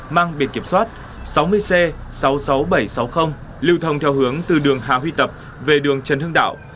mang biệt kiểm soát sáu mươi c sáu mươi sáu nghìn bảy trăm sáu mươi lưu thông theo hướng từ đường hà huy tập về đường trần hưng đạo